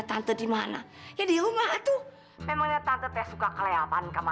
tante mau beliin sesuatu yang spesial buat kamu